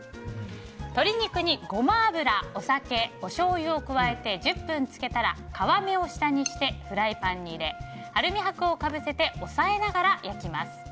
鶏肉にゴマ油、お酒おしょうゆを加えて１０分漬けたら皮目を下にしてフライパンに入れアルミ箔をかぶせて押さえながら焼きます。